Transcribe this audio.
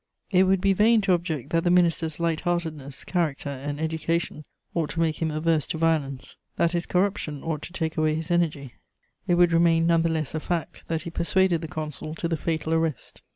It would be vain to object that the Minister's light heartedness, character, and education ought to make him averse to violence, that his corruption ought to take away his energy; it would remain none the less a fact that he persuaded the Consul to the fatal arrest.